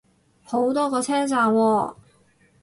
好多個車站喎